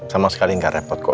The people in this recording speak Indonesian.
sama sekali nggak repot kok